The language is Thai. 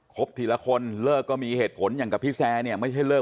บทีละคนเลิกก็มีเหตุผลอย่างกับพี่แซร์เนี่ยไม่ใช่เลิก